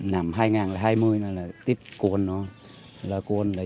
năm hai nghìn hai mươi là tiếp cuốn đó